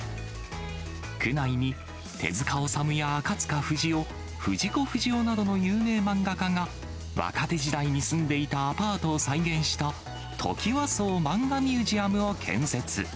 区内に手塚治虫や赤塚不二夫、藤子不二雄などの有名漫画家が若手時代に住んでいたアパートを再現したトキワ荘マンガミュージアムを建設。